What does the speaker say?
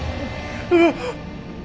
あっ。